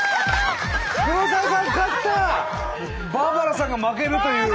バーバラさんが負けるという。